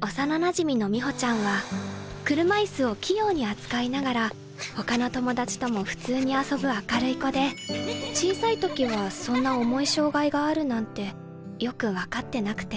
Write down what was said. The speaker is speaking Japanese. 幼なじみの美穂ちゃんは車椅子を器用に扱いながら他の友達とも普通に遊ぶ明るい子で小さい時はそんな重い障害があるなんてよく分かってなくて。